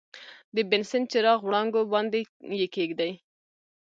د بنسن چراغ وړانګو باندې یې کیږدئ.